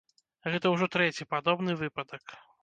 Гэта ўжо трэці падобны выпадак.